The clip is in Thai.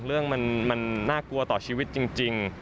เรื่องมันน่ากลัวต่อชีวิตจริง